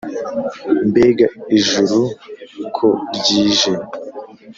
Mbega ijuru ko ryije